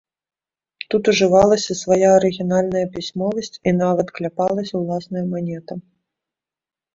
Тут ужывалася свая арыгінальная пісьмовасць і нават кляпалася ўласная манета.